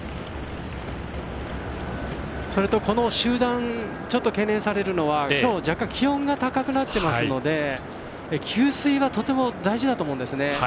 この集団ちょっと懸念されるのはきょう、若干気温が高くなっていますので給水はとても大事だと思うんですね。